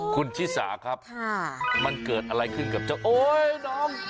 คุณชิสาครับมันเกิดอะไรขึ้นกับเจ้าโอ๊ยน้อง